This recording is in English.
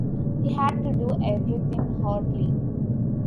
He had to do everything hotly.